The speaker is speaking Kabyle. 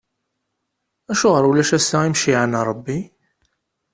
Acuɣer ulac ass-a imceyyɛen n Ṛebbi?